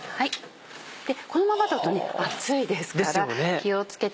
このままだと熱いですから気を付けて。